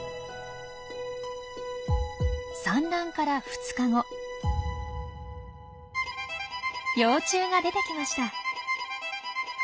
産卵から幼虫が出てきました！